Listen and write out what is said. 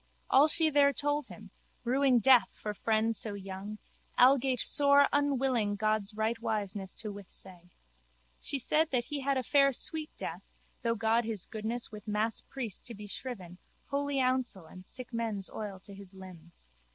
All she there told him, ruing death for friend so young, algate sore unwilling God's rightwiseness to withsay. She said that he had a fair sweet death through God His goodness with masspriest to be shriven, holy housel and sick men's oil to his limbs.